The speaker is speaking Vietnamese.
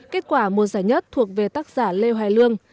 kết quả một giải nhất thuộc về tác giả lê hoài lương